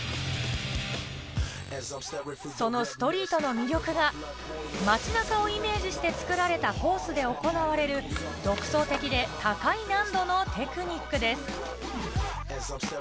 そのストリートの魅力が、街中をイメージして作られたコースで行われる、独創的で高い難度のテクニックです。